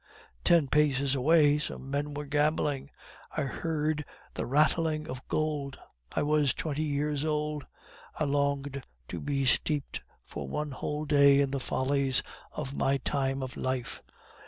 Ten paces away some men were gambling. I heard the rattling of gold; I was twenty years old; I longed to be steeped for one whole day in the follies of my time of life.